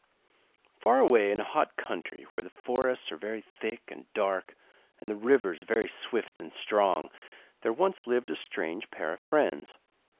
] How Isuro the Rabbit Tricked Gudu Far away in a hot country, where the forests are very thick and dark, and the rivers very swift and strong, there once lived a strange pair of friends.